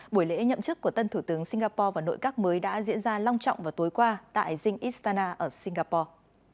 buổi lễ nhậm chức của tân thủ tướng singapore và nội các mới đã diễn ra long trọng và tối qua tại zingistana ở singapore